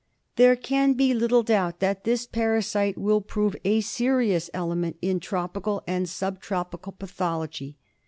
There can be little doubt that this parasite will prove a serious element in tropical and sub tropical pathology.